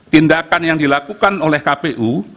tindakan yang dilakukan oleh kpu